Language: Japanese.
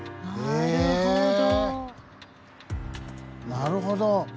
えなるほど。